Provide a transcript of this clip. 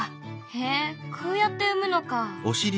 へこうやって産むのか。